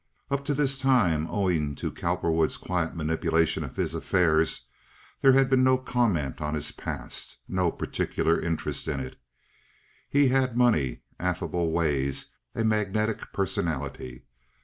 Up to this time, owing to Cowperwood's quiet manipulation of his affairs, there had been no comment on his past—no particular interest in it. He had money, affable ways, a magnetic personality.